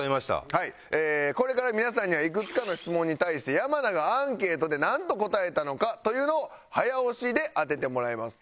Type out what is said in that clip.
これから皆さんにはいくつかの質問に対して山名がアンケートでなんと答えたのかというのを早押しで当ててもらいます。